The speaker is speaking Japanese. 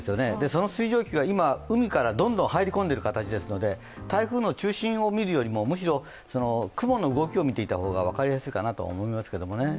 その水蒸気が今、海からどんどん入り込んでいる形ですので台風の中心を見るよりもむしろ雲の動きを見た方が分かりやすいかなと思いますけれども。